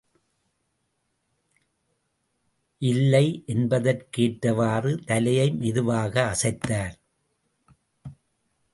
இல்லை என்பதற்கேற்றவாறு தலையை மெதுவாக அசைத்தார்.